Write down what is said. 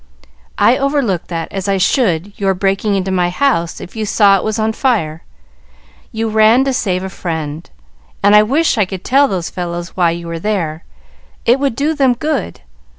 "I overlook that as I should your breaking into my house if you saw it was on fire. You ran to save a friend, and I wish I could tell those fellows why you were there. It would do them good.